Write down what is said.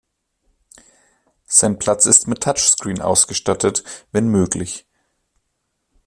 Sein Platz ist mit Touchscreen ausgestattet, wenn möglich.